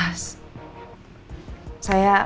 ya itu dia standpointnya